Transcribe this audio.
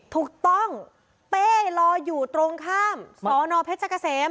ถูกต้องเป้รออยู่ตรงข้ามสนเพชรเกษม